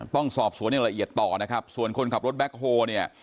ต้องสอบสวนอย่างละเอียดต่อนะครับส่วนคนขับรถแบ็คโฮเนี่ย